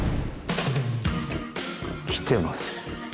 来てます。